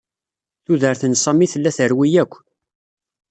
Tudert n Sami tella terwi akk.